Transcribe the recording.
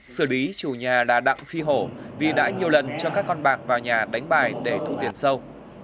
xử lý chủ nhà là đặng phi hổ vì đã nhiều lần cho các con bạc vào nhà đánh bài để thu tiền sâu